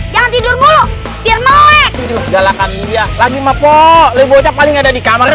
jangan tidur dulu biar naik gitu galakan dia lagi mapo lebocok paling ada di kamarnya